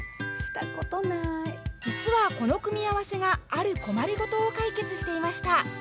実は、この組み合わせがある困りごとを解決していました。